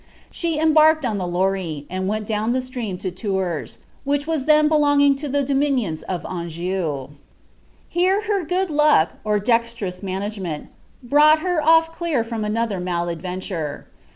She embarked on the Loire, and went down At J ■trenm to Tours, which was then belongiitg to ilie dominions of Anjon. Here her good luck, or dexterous management, brought her off dar from another mal ad venture.